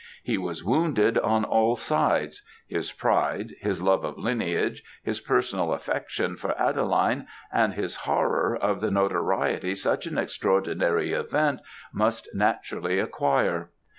He was wounded on all sides; his pride, his love of lineage, his personal affection for Adeline, and his horror of the notoriety such an extraordinary event must naturally acquire.